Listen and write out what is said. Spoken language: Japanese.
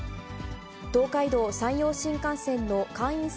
東海道・山陽新幹線の会員制